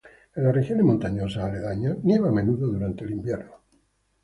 En las regiones montañosas aledañas nieva a menudo durante el invierno.